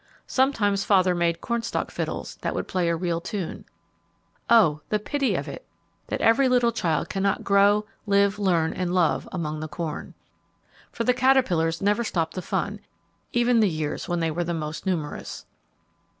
Sometimes father made cornstock fiddles that would play a real tune. Oh! the pity of it that every little child cannot grow, live, learn and love among the corn. For the caterpillars never stopped the fun, even the years when they were most numerous.